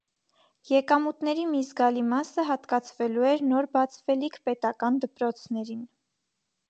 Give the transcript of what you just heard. Եկամուտների մի զգալի մասը հատկացվելու էր նոր բացվելիք պետական դպրոցներին։